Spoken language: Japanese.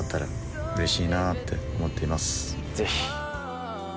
ぜひ！